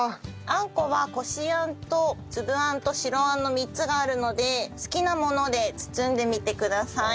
あんこはこしあんと粒あんと白あんの３つがあるので好きなもので包んでみてください。